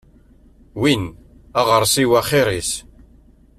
Win aɣersiw axir-is.